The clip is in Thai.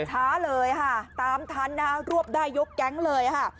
ช้าเลยค่ะตามทันนะฮะรวบได้ยกแก๊งเลยค่ะ